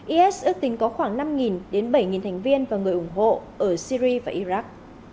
is ước tính có khoảng năm đến bảy thành viên và người ủng hộ ở syri và iraq